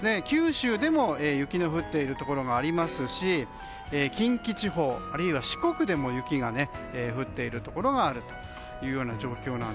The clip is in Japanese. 九州でも雪の降っているところもありますし近畿地方、あるいは四国でも雪が降っているところがあります。